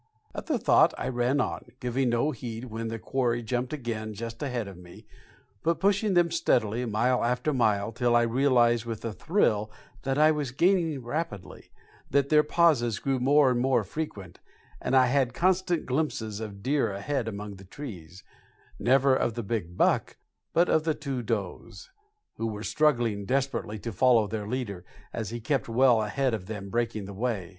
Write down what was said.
At the thought I ran on, giving no heed when the quarry jumped again just ahead of me, but pushing them steadily, mile after mile, till I realized with a thrill that I was gaining rapidly, that their pauses grew more and more frequent, and I had constant glimpses of deer ahead among the trees never of the big buck, but of the two does, who were struggling desperately to follow their leader as he kept well ahead of them breaking the way.